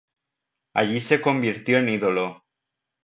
Allí se convirtió en ídolo.